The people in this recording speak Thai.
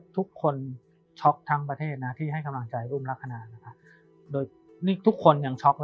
ทุกคนช็อคทางประเทศที่ให้คำนามใจร่มรักครราช